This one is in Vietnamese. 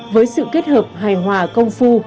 với sự kết hợp hài hòa công phu